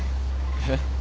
えっ？